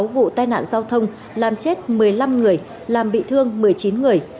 sáu vụ tai nạn giao thông làm chết một mươi năm người làm bị thương một mươi chín người